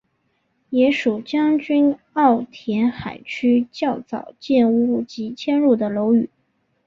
也属将军澳填海区较早建屋及迁入的楼宇。